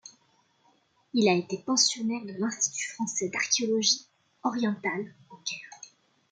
Il a été pensionnaire de l'Institut français d'archéologie orientale au Caire.